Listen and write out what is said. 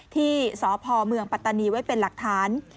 ที่สพเมืองปัตตานีไว้เป็นหลักฐาน